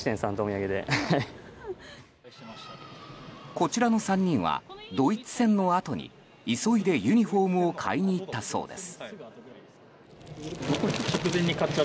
こちらの３人はドイツ戦のあとに急いでユニホームを買いに行ったそうです。